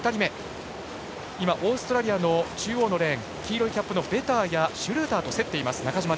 オーストラリアの中央のレーン黄色いキャップのベターやシュルーターと競っている中島。